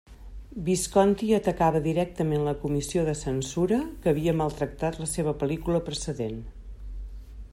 Visconti hi atacava directament la comissió de censura que havia maltractat la seva pel·lícula precedent.